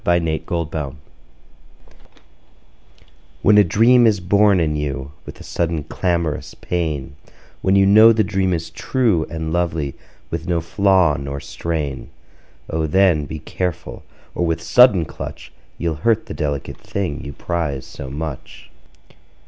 Y Z A Pinch of Salt WHEN a dream is born in you With a sudden clamorous pain, When you know the dream is true And lovely, with no flaw nor strain, O then, be careful, or with sudden clutch You'll hurt the delicate thing you prize so much.